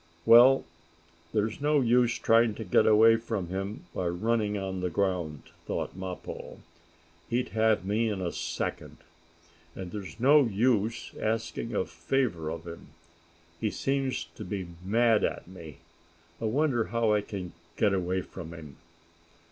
"Well, there's no use trying to get away from him by running on the ground," thought Mappo. "He'd have me in a second. And there's no use asking a favor of him. He seems to be mad at me. I wonder how I can get away from him!"